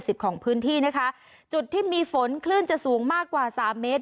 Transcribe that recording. ของพื้นที่นะคะจุดที่มีฝนคลื่นจะสูงมากกว่าสามเมตร